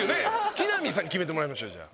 木南さんに決めてもらいましょうじゃあ。